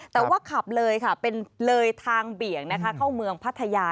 แต่ว่าขับเลยค่ะเป็นเลยทางเบี่ยงนะคะเข้าเมืองพัทยา